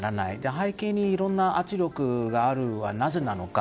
背景に、いろんな圧力があるのはなぜなのか。